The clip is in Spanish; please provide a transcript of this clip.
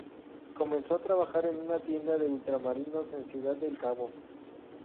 Comenzó a trabajar en una tienda de ultramarinos en Ciudad del Cabo.